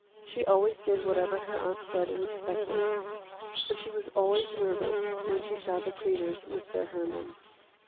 She always did whatever her aunt said and expected, but she was always nervous when she saw the Kreders with their Herman.